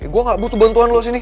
gue nggak butuh bantuan lo disini